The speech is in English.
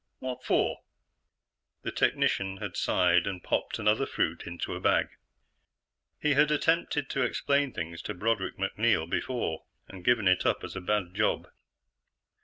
"What for?" The technician had sighed and popped another fruit into a bag. He had attempted to explain things to Broderick MacNeil before and given it up as a bad job.